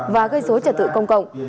và gây dối trả tự công cộng